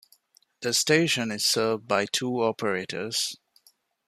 The station is served by two operators.